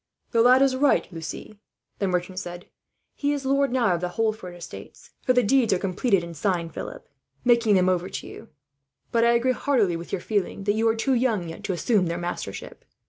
"The lad is right, Lucie," the merchant said. "He is lord now of the Holford estates for the deeds are completed and signed, Philip, making them over to you. But I agree heartily with your feeling that you are too young, yet, to assume their mastership.